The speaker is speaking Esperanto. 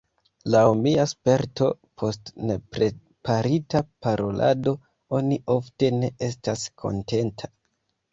Laŭ mia sperto, post nepreparita parolado oni ofte ne estas kontenta.